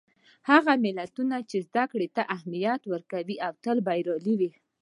هغه ملتونه چې زدهکړې ته اهمیت ورکوي، تل بریالي وي.